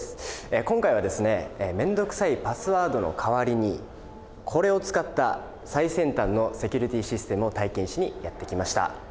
今回はですね面倒くさいパスワードの代わりにこれを使った最先端のセキュリティシステムを体験しにやって来ました。